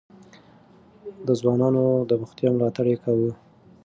د ځوانانو د بوختيا ملاتړ يې کاوه.